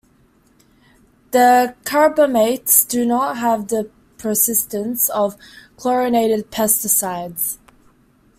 The carbamates do not have the persistence of chlorinated pesticides.